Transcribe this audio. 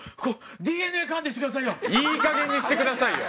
ＤＮＡ鑑定してくださいよ！